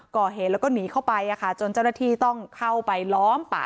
ก่อเหตุแล้วก็หนีเข้าไปจนเจ้าหน้าที่ต้องเข้าไปล้อมป่า